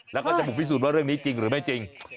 แล้วก็จะบุกพิสูจนว่าเรื่องนี้จริงหรือไม่จริง